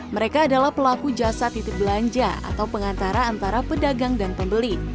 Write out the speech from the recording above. mereka adalah pelaku jasa titip belanja atau pengantara antara pedagang dan pembeli